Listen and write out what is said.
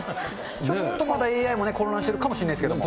ちょっとまだＡＩもね、混乱してるかもしれないですけど。